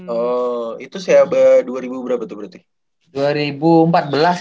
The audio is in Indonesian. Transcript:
oh itu seaba dua ribu berapa tuh berarti